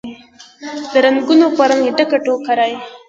د رنګونوپه رنګ، ډکه ټوکرۍ